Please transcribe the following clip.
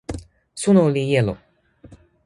suno li jelo.